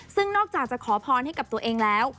ซึ่งนอกจากจะขอพรให้กับตัวเองแล้ว